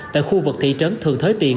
tại khu vực thị trấn thường thới tiền